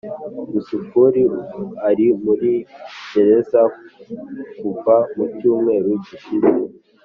Yusufu ari muri gereza kuva mu cyumweru gishize